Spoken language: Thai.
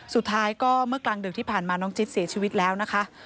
สุดท้ายก็เมื่อกลางดึกที่ผ่านมาน้องจิ๊ดเสียชีวิตแล้วนะคะ